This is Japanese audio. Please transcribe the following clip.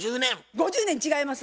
５０年違います。